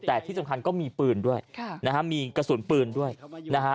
แต่ที่สำคัญก็มีปืนด้วยค่ะนะฮะมีกระสุนปืนด้วยนะฮะ